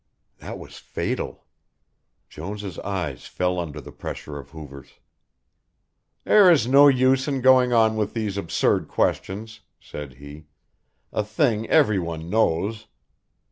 That was fatal. Jones' eye fell under the pressure of Hoover's. "There is no use in going on with these absurd questions," said he, "a thing everyone knows."